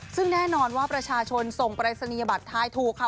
ซึ่งแน่นอนว่าประชาชนส่งปรายศนียบัตรทายถูกค่ะ